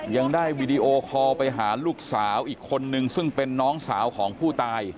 ยังได้วีดีโอคอลไปหาลูกสาวอีกคนนึงซึ่งเป็นน้องสาวของผู้ตาย